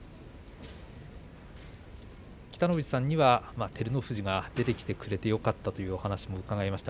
北の富士さんには照ノ富士が出てきてくれてよかったというお話がありました。